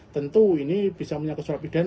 tentu ini bisa menyangkut soal pidana